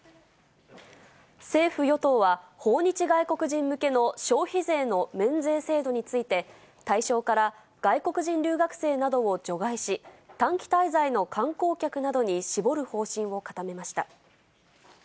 政府・与党は、訪日外国人向けの消費税の免税制度について、対象から外国人留学生などを除外し、短期滞在の観光客などに絞る方針を固めました。